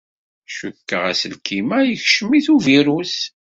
Cukkeɣ aselkim-a yekcem-it uvirus.